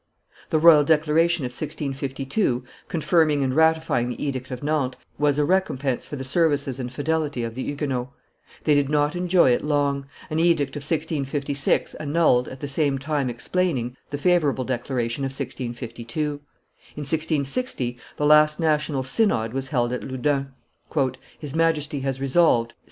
The royal declaration of 1652, confirming and ratifying the edict of Nantes, was a recompense for the services and fidelity of the Huguenots. They did not enjoy it long; an edict of 1656 annulled, at the same time explaining, the favorable declaration of 1652; in 1660 the last national synod was held at Loudun. "His Majesty has resolved," said M.